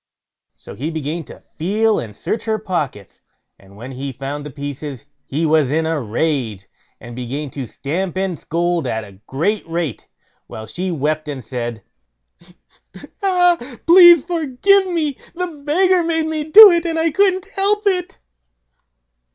So he began to feel and search her pockets, and when he found the pieces he was in a rage, and began to stamp and scold at a great rate, while she wept and said: "Ah, pray forgive me; the beggar bade me do it, and I couldn't help it."